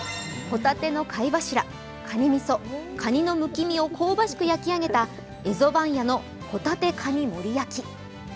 ほたての貝柱、かにみそ、かにのむき身を香ばしく焼き上げた蝦夷番屋の帆立かに盛り焼き。